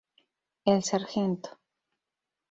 El "Sgt.